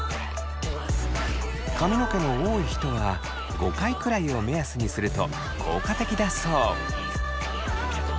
髪の毛の多い人は５回くらいを目安にすると効果的だそう。